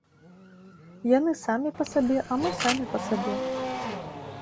Яны самі па сабе, а мы самі па сабе.